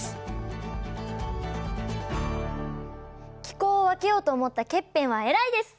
気候を分けようと思ったケッペンは偉いです。